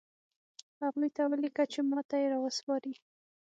هغوی ته ولیکه چې ماته یې راوسپاري